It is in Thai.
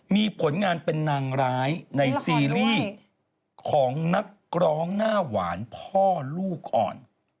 มีผลงานเป็นนางร้ายในซีรีส์ของนักร้องหน้าหวานพ่อลูกอ่อน